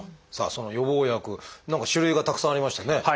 その予防薬何か種類がたくさんありましたね。